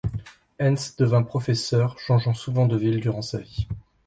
Hentz devient professeur changeant souvent de ville durant toute sa vie.